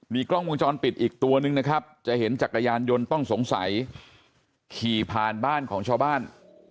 กล้องวงจรปิดอีกตัวนึงนะครับจะเห็นจักรยานยนต์ต้องสงสัยขี่ผ่านบ้านของชาวบ้าน